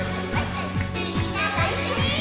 「みんなごいっしょにー！